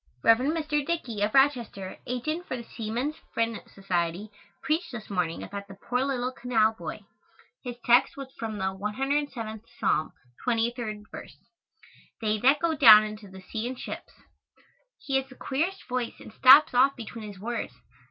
Rev. Mr. Dickey, of Rochester, agent for the Seaman's Friend Society, preached this morning about the poor little canal boy. His text was from the 107th Psalm, 23rd verse, "They that go down into the sea in ships." He has the queerest voice and stops off between his words.